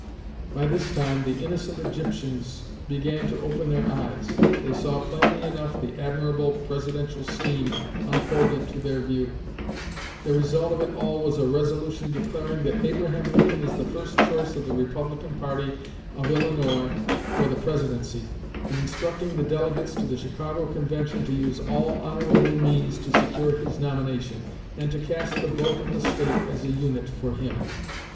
By this time the innocent Egyptians began to open their eyes; they saw plainly enough the admirable Presidential scheme unfolded to their view. The result of it all was a resolution declaring that 'Abraham Lincoln is the first choice of the Republican party of Illinois for the Presidency, and instructing the delegates to the Chicago convention to use all honorable means to secure his nomination, and to cast the vote of the State as a unit for him.'"